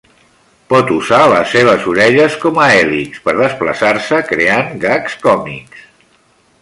Pot usar les seves orelles com a hèlix per desplaçar-se, creant gags còmics.